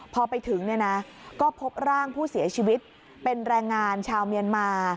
พอไปถึงเนี่ยนะก็พบร่างผู้เสียชีวิตเป็นแรงงานชาวเมียนมา